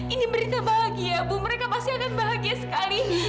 ini berita bahagia bu mereka pasti akan bahagia sekali